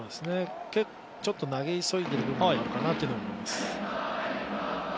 ちょっと投げ急いでいるのもあるかなと思います。